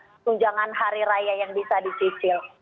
itu adalah tunjangan hari raya yang bisa di cicil